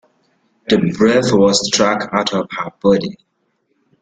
The breath was struck out of her body.